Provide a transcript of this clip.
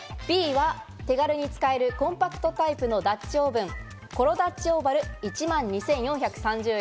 Ｂは手軽に使えるコンパクトタイプのダッチオーブン、コロダッチオーバル、１万２４３０円です。